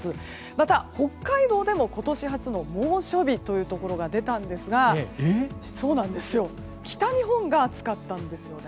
また、北海道でも今年初の猛暑日というところが出たんですが北日本が暑かったんですよ。